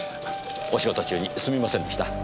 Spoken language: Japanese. お仕事中にすみませんでした。